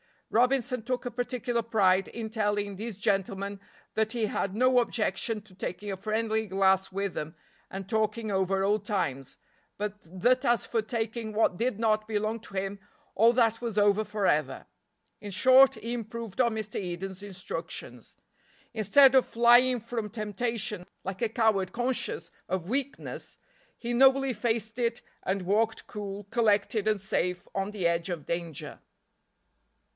Robinson took a particular pride in telling these gentlemen that he had no objection to taking a friendly glass with them and talking over old times, but that as for taking what did not belong to him all that was over forever. In short, he improved on Mr. Eden's instructions. Instead of flying from temptation, like a coward conscious of weakness, he nobly faced it and walked cool, collected and safe on the edge of danger.